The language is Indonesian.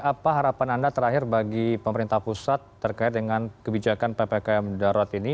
apa harapan anda terakhir bagi pemerintah pusat terkait dengan kebijakan ppkm darurat ini